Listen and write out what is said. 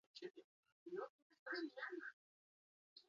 Hala ere, mila pertsona inguru daude oraindik etxetik kanpo.